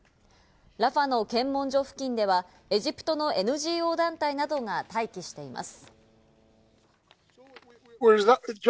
ラファの検問所付近ではエジプトのＮＧＯ団体などが待機しています。